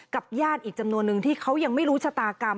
ญาติอีกจำนวนนึงที่เขายังไม่รู้ชะตากรรม